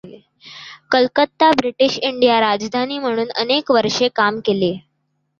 Calcutta British India राजधानी म्हणून अनेक वर्षे काम केले.